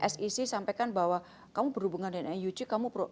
sec sampaikan bahwa kamu berhubungan dengan nug kamu pro